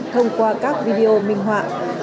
thông qua các video minh họa